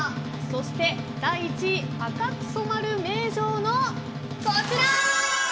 そして第１位、赤く染まる名城のこちら！